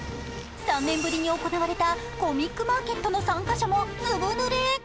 ３年ぶりに行われたコミックマーケットの参加者もずぶぬれ。